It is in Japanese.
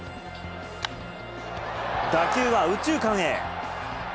打球は右中間へ。